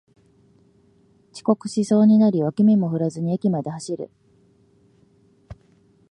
遅刻しそうになり脇目も振らずに駅まで走る